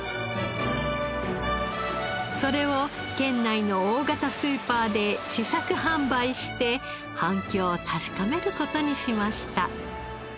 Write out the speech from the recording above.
それを県内の大型スーパーで試作販売して反響を確かめる事にしました。